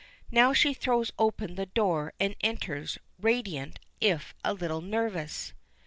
Now she throws open the door and enters, radiant, if a little nervous.